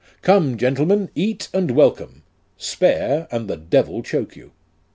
" Come, gentlemen, eat and welcome; spare, and the devil choak you."